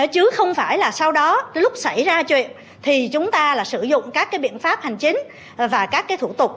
chứ không phải là sau đó lúc xảy ra chuyện thì chúng ta là sử dụng các biện pháp hành chính và các thủ tục